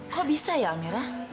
kok bisa ya amira